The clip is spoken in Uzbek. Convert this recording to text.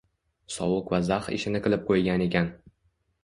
sovuq va zax ishini qilib qo`ygan ekan